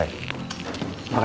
akhirnya kita semang dekat